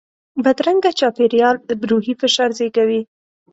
بدرنګه چاپېریال روحي فشار زیږوي